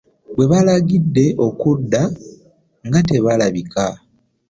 Be baalagidde okudda nga tebalabika!